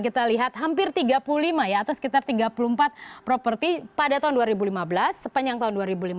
kita lihat hampir tiga puluh lima ya atau sekitar tiga puluh empat properti pada tahun dua ribu lima belas sepanjang tahun dua ribu lima belas